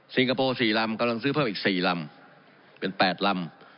สิงคโปร์สี่ลำกำลังซื้อเพิ่มอีกสี่ลำเป็นแปดลำ